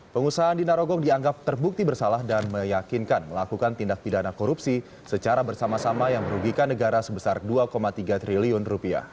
pengusaha andi narogong dianggap terbukti bersalah dan meyakinkan melakukan tindak pidana korupsi secara bersama sama yang merugikan negara sebesar rp dua tiga triliun